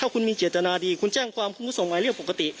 คุณก็ส่งไว้เรียบปกติ